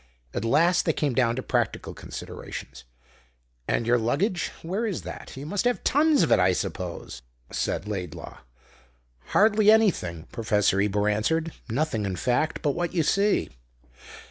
At last they came down to practical considerations. "And your luggage where is that? You must have tons of it, I suppose?" said Laidlaw. "Hardly anything," Professor Ebor answered. "Nothing, in fact, but what you see."